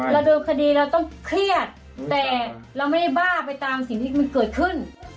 เดิมคดีเราต้องเครียดแต่เราไม่ได้บ้าไปตามสิ่งที่มันเกิดขึ้น